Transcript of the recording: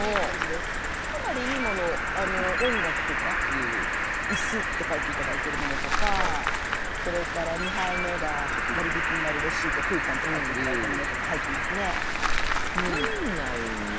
かなりいいものをあの音楽とかイスって書いていただいてるものとかそれから２杯目が割引きになるレシートクーポンって書いていただいたものとか入ってますね。